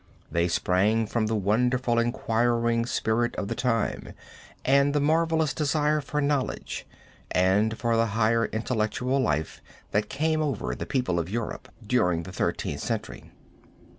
They sprang from the wonderful inquiring spirit of the time and the marvelous desire for knowledge and for the higher intellectual life that came over the people of Europe during the Thirteenth Century.